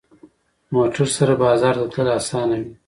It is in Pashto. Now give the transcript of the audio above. موټر سره بازار ته تلل اسانه وي.